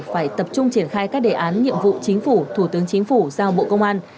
phải tập trung triển khai các đề án nhiệm vụ chính phủ thủ tướng chính phủ giao bộ công an